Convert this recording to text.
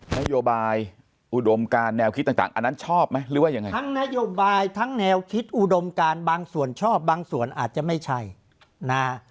นโยบายอุดมการแนวคิดต่างอันนั้นชอบไหมหรือว่ายังไงทั้งนโยบายทั้งแนวคิดอุดมการบางส่วนชอบบางส่วนอาจจะไม่ใช่นะ